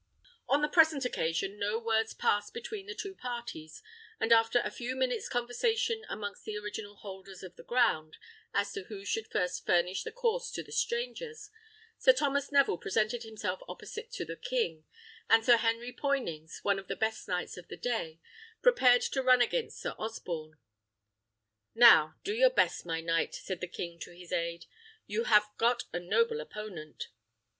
On the present occasion no words passed between the two parties, and after a few minutes' conversation amongst the original holders of the ground as to who should first furnish the course to the strangers, Sir Thomas Neville presented himself opposite to the king, and Sir Henry Poynings, one of the best knights of the day, prepared to run against Sir Osborne. "Now do your best, my knight," said the king to his aid; "you have got a noble opponent."